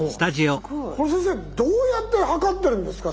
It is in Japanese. これ先生どうやって測ってるんですか？